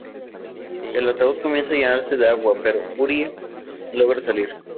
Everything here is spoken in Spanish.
El ataúd comienza a llenarse de agua, pero Urie logra salir.